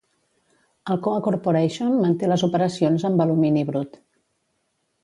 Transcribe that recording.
Alcoa Corporation manté les operacions amb alumini brut.